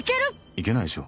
いけないでしょ。